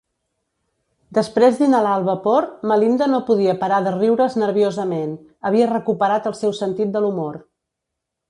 Després d'inhalar el vapor, Melinda no podia parar de riure's nerviosament: havia recuperat el seu sentit de l'humor.